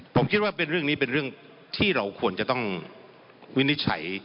ผมคิดว่าเป็นเรื่องนี้เป็นเรื่องที่เราควรจะต้องวินิจฉัย